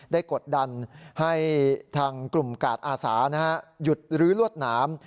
กดดันให้ทางกลุ่มกาดอาสาหยุดรื้อรวดหนาม